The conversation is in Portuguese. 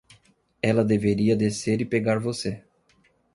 Ela deveria descer e pegar você.